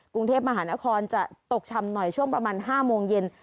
กรุงเทพมหานครจะตกช่ำหน่อยช่วงประมาณ๕โมงเย็น